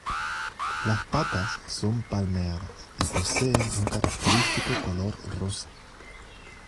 Las patas son palmeadas y poseen un característico color rosa.